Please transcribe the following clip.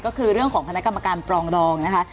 ก็คือเรื่องของคณะกรรมการปรองดองนะคะ